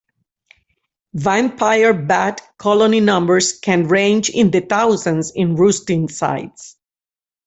Vampire bat colony numbers can range in the thousands in roosting sites.